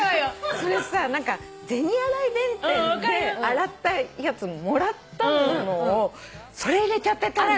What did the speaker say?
それさ銭洗弁天で洗ったやつもらったのをそれ入れちゃってたんだよね。